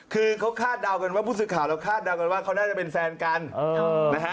คือเขาคาดเดากันว่าผู้สื่อข่าวเราคาดเดากันว่าเขาน่าจะเป็นแฟนกันนะฮะ